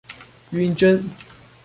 暈針